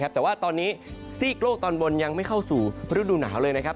แต่ว่าตอนนี้ซีกโลกตอนบนยังไม่เข้าสู่ฤดูหนาวเลยนะครับ